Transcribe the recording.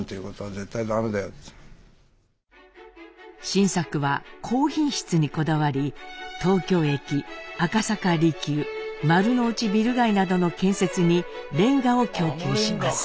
新作は高品質にこだわり東京駅赤坂離宮丸の内ビル街などの建設に煉瓦を供給します。